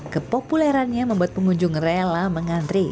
kepopulerannya membuat pengunjung rela mengantri